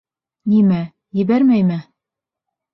Нимә -ебәрмәйме?